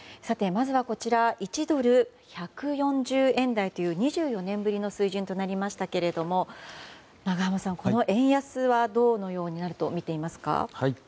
まずは１ドル＝１４０円台という２４年ぶりの水準となりましたが永濱さん、この円安はどのようになるとみていますか。